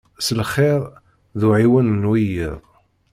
S lxir d uɛiwen n wiyiḍ.